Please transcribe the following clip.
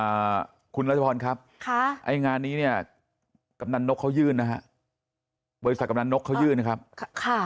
อ่าคุณรัชพรครับค่ะไอ้งานนี้เนี่ยกำนันนกเขายื่นนะฮะบริษัทกำลังนกเขายื่นนะครับค่ะ